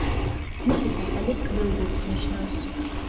მისი სახელი „ტკბილ გულს“ ნიშნავს.